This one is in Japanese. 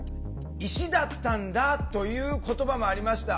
「石だったんだ」という言葉もありました。